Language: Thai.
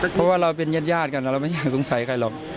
เพราะว่าเราเป็นญาติกันเราไม่อยากสงสัยใครหรอก